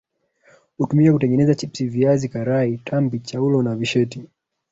Hutumika kutengeneza chipsi viazi karai tambi chaulo na visheti